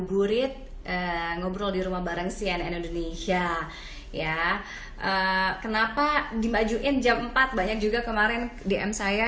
gurit ngobrol di rumah bareng cnn indonesia ya kenapa dimajuin jam empat banyak juga kemarin dm saya